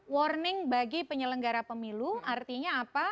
warning bagi penyelenggara pemilu artinya apa